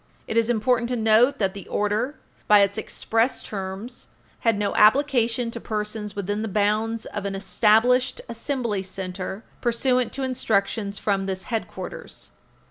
It is important to note that the order, by its express terms, had no application to persons within the bounds "of an established Assembly Center pursuant to instructions from this Headquarters